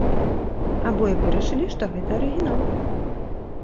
Абое вырашылі, што гэта арыгінал.